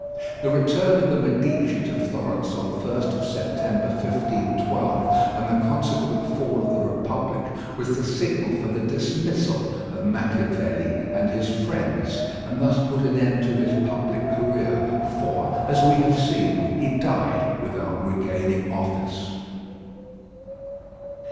The return of the Medici to Florence on 1st September 1512, and the consequent fall of the Republic, was the signal for the dismissal of Machiavelli and his friends, and thus put an end to his public career, for, as we have seen, he died without regaining office.